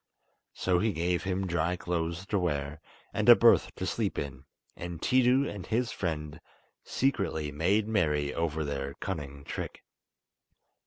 So he gave him dry clothes to wear, and a berth to sleep in, and Tiidu and his friend secretly made merry over their cunning trick.